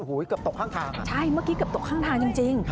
เกือบตกข้างทางใช่เมื่อกี้เกือบตกข้างทางจริง